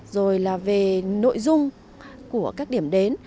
rồi là về nội dung của các điểm đến